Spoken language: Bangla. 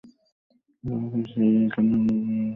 বোঝা যায় সেই এখানের অভিবাবক।